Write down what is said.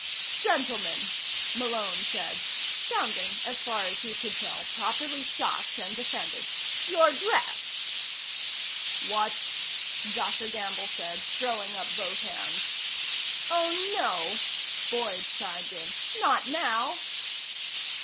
"Gentlemen!" Malone said, sounding, as far as he could tell, properly shocked and offended. "Your dress!" "What?" Dr. Gamble said, throwing up both hands. "Oh, no," Boyd chimed in. "Not now."